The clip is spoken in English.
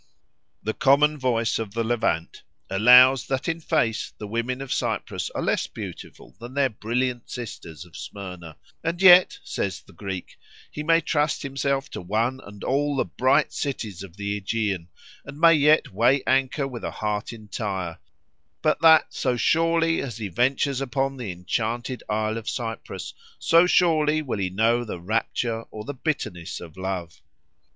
The common voice of the Levant allows that in face the women of Cyprus are less beautiful than their brilliant sisters of Smyrna; and yet, says the Greek, he may trust himself to one and all the bright cities of the Ægean, and may yet weigh anchor with a heart entire, but that so surely as he ventures upon the enchanted isle of Cyprus, so surely will he know the rapture or the bitterness of love.